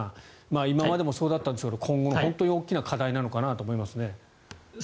今までもそうだったんでしょうけど今後の大きな課題なのかなと思いますね。